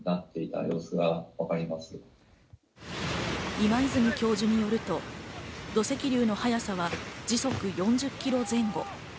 今泉教授によると、土石流の速さは時速４０キロ前後。